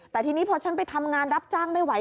แต่ทีนี้พอฉันไปทำงานรับจ้างไม่ไหว